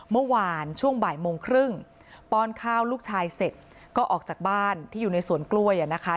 เมื่อวานช่วงบ่ายโมงครึ่งป้อนข้าวลูกชายเสร็จก็ออกจากบ้านที่อยู่ในสวนกล้วยอ่ะนะคะ